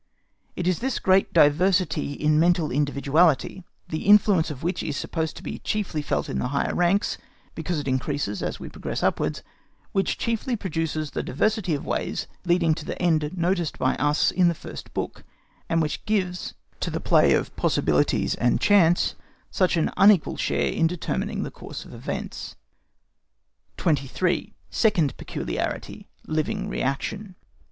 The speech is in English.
It is this great diversity in mental individuality, the influence of which is to be supposed as chiefly felt in the higher ranks, because it increases as we progress upwards, which chiefly produces the diversity of ways leading to the end noticed by us in the first book, and which gives, to the play of probabilities and chance, such an unequal share in determining the course of events. 23. SECOND PECULIARITY.—LIVING REACTION.